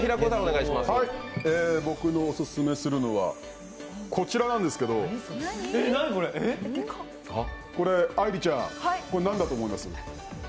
僕のオススメするのはこちらなんですけど、これ、愛莉ちゃん、何だと思います？